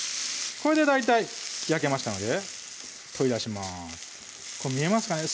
これで大体焼けましたので取り出します見えますかね？